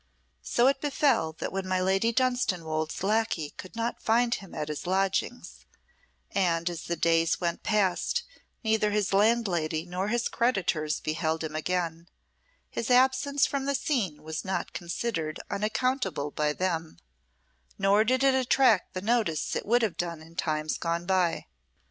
So it befell that when my Lady Dunstanwolde's lacquey could not find him at his lodgings, and as the days went past neither his landlady nor his creditors beheld him again, his absence from the scene was not considered unaccountable by them, nor did it attract the notice it would have done in times gone by.